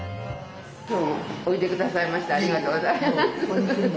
今日もおいでくださいましてありがとうございます。